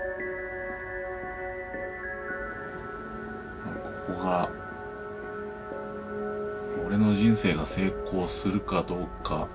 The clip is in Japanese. まあここが俺の人生が成功するかどうか。